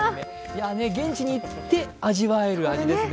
現地に行って味わえる味ですね。